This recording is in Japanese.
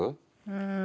うん？